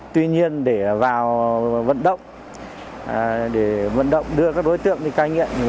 tuy nhiên để vào vận động để vận động đưa các đối tượng đi ca nhiện